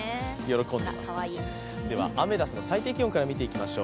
アメダスの最低気温から見ていきましょう。